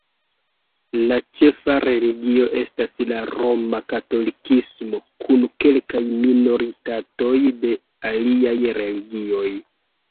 La ĉefa religio estas la Roma Katolikismo kun kelkaj minoritatoj de aliaj religioj.